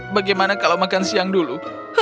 bagaimana kalau makan siang dulu